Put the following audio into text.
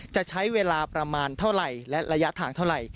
จะใช้เวลาประมาณเท่าไหร่และระยะทางเท่าไหร่